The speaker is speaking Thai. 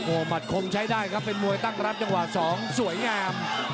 โอ้โหหมัดคมใช้ได้ครับเป็นมวยตั้งรับจังหวะ๒สวยงาม